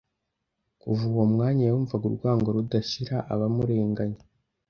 Kuva uwo mwanya, yumva urwango rudashira abamurenganya.